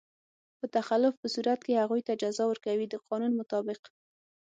په تخلف په صورت کې هغوی ته جزا ورکوي د قانون مطابق.